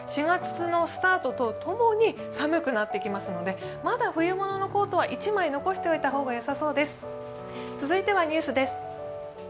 ４月のスタートとともに寒くなってきますので、まだ冬物のコートは１枚残しておいた方がよさそうです続いてはニュースです。